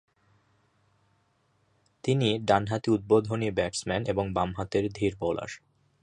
তিনি ডানহাতি উদ্বোধনী ব্যাটসম্যান এবং বাম হাতের ধীর বোলার।